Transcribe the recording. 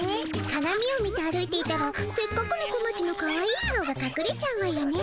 かがみを見て歩いていたらせっかくのこまちのかわいい顔がかくれちゃうわよね。